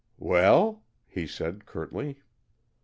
"Well?" he said curtly.